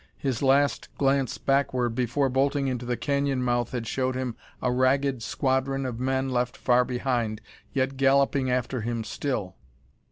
His last glance backward, before bolting into the canyon mouth, had showed him a ragged squadron of men left far behind, yet galloping after him still.